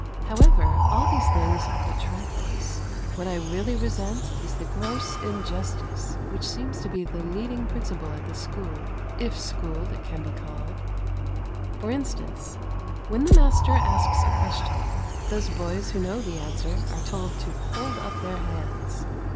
However, all these things are but trifles. What I really resent is the gross injustice which seems to be the leading principle at this school if school it can be called. For instance, when the master asks a question, those boys who know the answer are told to hold up their hands.